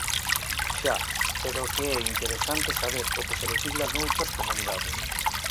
Xa, pero é que é interesante saber o que se lexisla noutras comunidades.